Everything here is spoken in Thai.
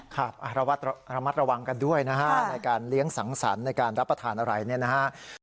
ครับระมัดระวังกันด้วยนะฮะในการเลี้ยงสังสรรค์ในการรับประทานอะไรเนี่ยนะฮะ